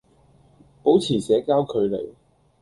保持社交距離